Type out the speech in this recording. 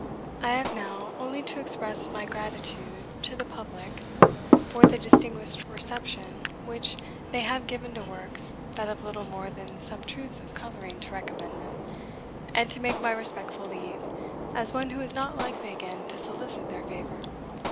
I have now only to express my gratitude to the Public for the distinguished reception which, they have given to works, that have little more than some truth of colouring to recommend them, and to take my respectful leave, as one who is not likely again to solicit their favour.